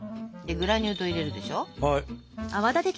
でグラニュー糖入れるでしょ。